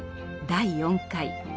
第４回。